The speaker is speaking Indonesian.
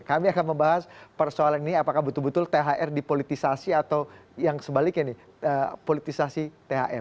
kami akan membahas persoalan ini apakah betul betul thr dipolitisasi atau yang sebaliknya nih politisasi thr